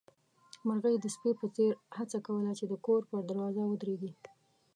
مرغۍ د سپي په څېر هڅه کوله چې د کور پر دروازه ودرېږي.